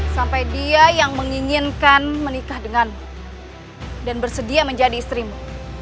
sampai dia yang menginginkan menikah denganmu dan bersedia menjadi istrimu